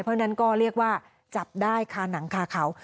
เพราะฉะนั้นก็เรียกว่าจับได้คาหนังคาเขา